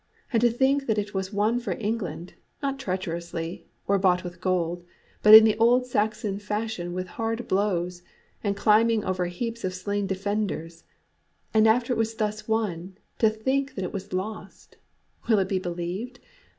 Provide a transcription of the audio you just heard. And to think that it was won for England, not treacherously, or bought with gold, but in the old Saxon fashion with hard blows, and climbing over heaps of slain defenders; and after it was thus won, to think that it was lost will it be believed?